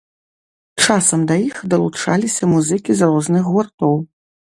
Часам да іх далучаліся музыкі з розных гуртоў.